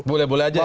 boleh boleh aja ya